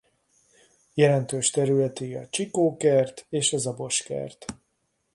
Jelentős területei a Csikó-kert és Zabos-kert.